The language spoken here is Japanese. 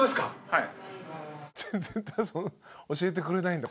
はい。